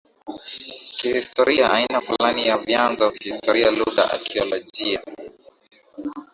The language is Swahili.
kihistoria aina fulani ya vyanzo kihistoria lugha akiolojia